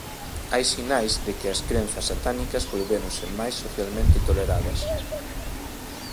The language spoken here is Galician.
Hai sinais de que as crenzas satánicas volvéronse máis socialmente toleradas.